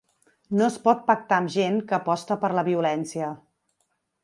No es pot pactar amb gent que aposta per la violència.